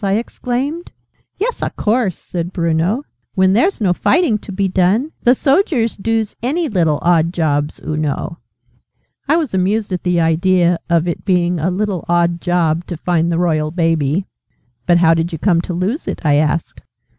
I exclaimed. "Yes, a course!" said Bruno. "When there's no fighting to be done, the soldiers doos any little odd jobs, oo know." I was amused at the idea of its being a 'little odd job' to find the Royal Baby. "But how did you come to lose it?" I asked.